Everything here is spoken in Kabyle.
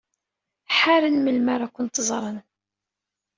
Ḥaren melmi ara kent-ẓren.